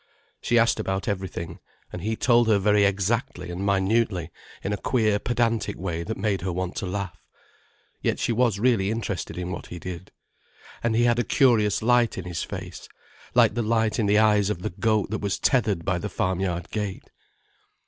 She asked about everything, and he told her very exactly and minutely, in a queer pedantic way that made her want to laugh. Yet she was really interested in what he did. And he had the curious light in his face, like the light in the eyes of the goat that was tethered by the farmyard gate.